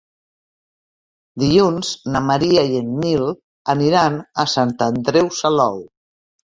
Dilluns na Maria i en Nil aniran a Sant Andreu Salou.